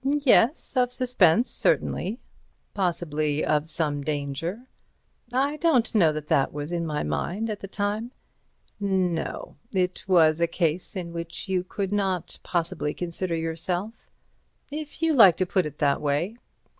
"Yes—of suspense, certainly." "Possibly of some danger?" "I don't know that that was in my mind at the time." "No—it was a case in which you could not possibly consider yourself." "If you like to put it that way."